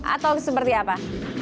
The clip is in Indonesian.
atau seperti apa